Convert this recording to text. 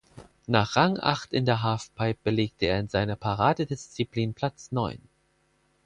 Nach Rang acht in der Halfpipe belegte er in seiner Paradedisziplin Platz neun.